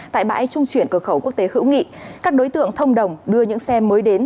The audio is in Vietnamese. tại bãi trung chuyển cơ khẩu quốc tế hữu nghị các đối tượng thông đồng đưa những xe mới đến